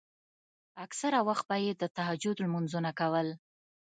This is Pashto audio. اکثره وخت به يې د تهجد لمونځونه کول.